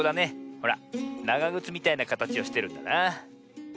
ほらながぐつみたいなかたちをしてるんだな。